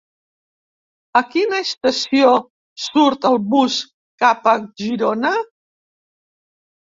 A quina estació surt el bus cap a Girona?